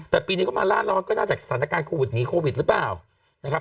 แต่ปีนี้เขามาล่านร้อนก็น่าจะจากสถานการณ์โควิดนี้โควิดหรือเปล่า